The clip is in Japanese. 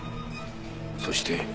そして。